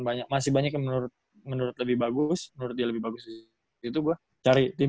banyak masih banyak yang menurut menurut lebih bagus menurut dia lebih bagus itu gue cari tim